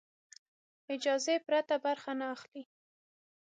اجازې پرته برخه نه اخلي.